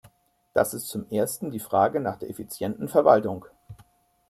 Da ist zum ersten die Frage nach der effizienten Verwaltung.